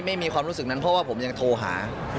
ไม่มีความรู้สึกนั้นเพราะว่าผมยังโทรหา